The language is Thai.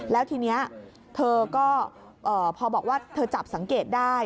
แล้วทีนี้เธอก็พอบอกว่าเธอจับสังเกตได้